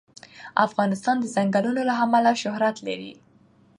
افغانستان د ځنګلونه له امله شهرت لري.